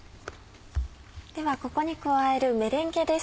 ではここに加えるメレンゲです。